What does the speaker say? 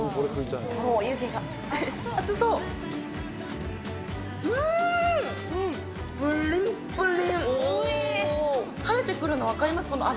たれてくるの分かります？